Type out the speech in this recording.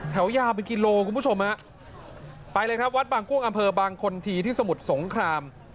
ยาวเป็นกิโลคุณผู้ชมฮะไปเลยครับวัดบางกุ้งอำเภอบางคนทีที่สมุทรสงคราม